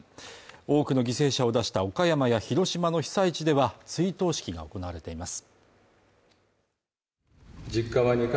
多くの犠牲者を出した岡山や広島の被災地では追悼式が行われています。